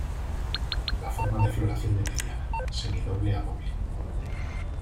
La forma de floración de mediana, semi-doble a doble.